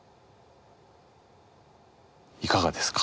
いかがですか？